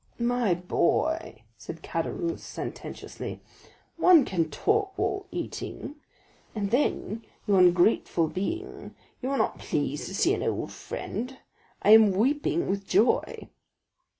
"My boy," said Caderousse sententiously, "one can talk while eating. And then, you ungrateful being, you are not pleased to see an old friend? I am weeping with joy."